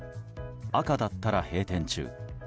赤だったら閉店中。